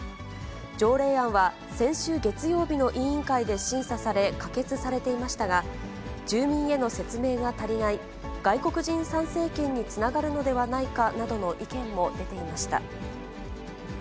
条例案は先週月曜日の委員会で審査され、可決されていましたが、住民への説明が足りない、外国人参政権につながるのではないかなどの意見も出ていました。